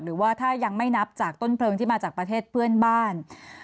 หรือว่าถ้ายังไม่นับจากต้นเพลิงที่มาจากประเทศเพื่อนบ้าน